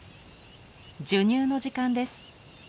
授乳の時間です。